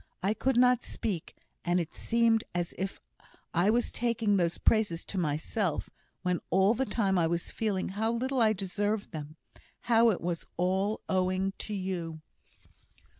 I could not speak; and it seemed as if I was taking those praises to myself, when all the time I was feeling how little I deserved them how it was all owing to you."